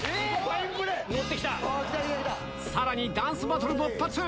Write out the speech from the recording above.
さらにダンスバトル勃発！